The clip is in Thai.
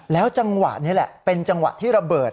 จังหวะนี้แหละเป็นจังหวะที่ระเบิด